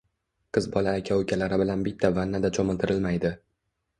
Qiz bola aka-ukalari bilan bitta vannada cho‘miltirilmaydi.